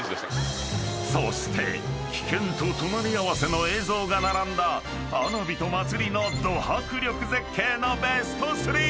［そして危険と隣り合わせの映像が並んだ花火と祭りのド迫力絶景のベスト３］